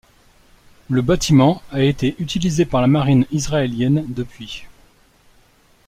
Le bâtiment a été utilisé par la marine israélienne depuis.